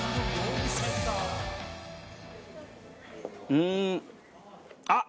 うーんあっ！